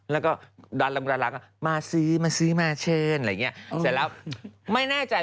แล้วก็ดาร้างก็มาซื้อมาซื้อมาเชิญ